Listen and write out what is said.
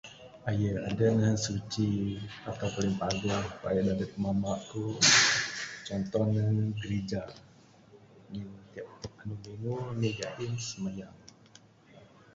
Aye adeh nehen suci da paling paguh dadeg mamba ku contoh ne grija. Ngin tiap anu minggu ami gain simayang.